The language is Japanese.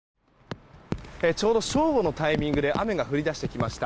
ちょうど正午のタイミングで雨が降り出してきました。